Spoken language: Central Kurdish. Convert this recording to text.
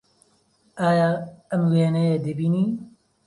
ئایا ئەم وێنەیە دەبینی؟